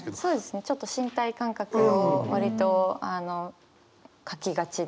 ちょっと身体感覚を割と書きがちな方です。